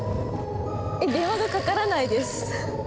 電話がかからないです。